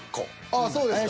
あっそうですか。